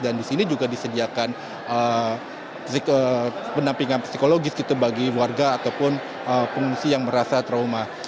dan di sini juga disediakan penampingan psikologis bagi warga ataupun pengungsi yang merasa trauma